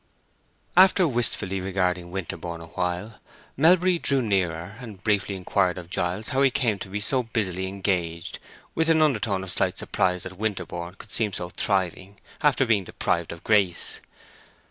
After wistfully regarding Winterborne a while, Melbury drew nearer, and briefly inquired of Giles how he came to be so busily engaged, with an undertone of slight surprise that Winterborne could seem so thriving after being deprived of Grace.